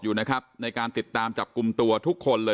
อยู่นะครับในการติดตามจับกลุ่มตัวทุกคนเลย